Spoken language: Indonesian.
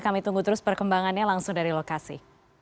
kami tunggu terus perkembangannya langsung dari lokasi